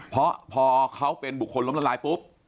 เพราะพอเขาเป็นบุคคลล้มละลายปุ๊บ